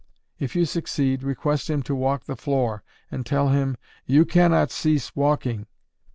_ If you succeed, request him to walk the floor, and tell him, _you can not cease walking!